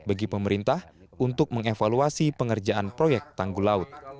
bagi pemerintah untuk mengevaluasi pengerjaan proyek tanggul laut